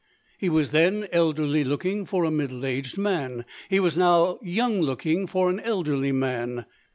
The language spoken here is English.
He was then elderly looking for a middle aged man ; he was now young looking for an elderly man.